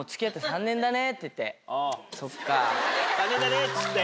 ３年だねっつって。